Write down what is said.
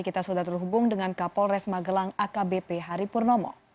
kita sudah terhubung dengan kapolres magelang akbp hari purnomo